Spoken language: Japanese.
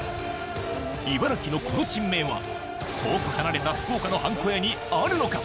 茨城のこの珍名は遠く離れた福岡のはんこ屋にあるのか？